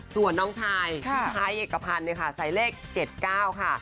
ส่วนน้องชายพี่ชายเอกพันธุ์เนี่ยค่ะใส่เลข๗๙ค่ะ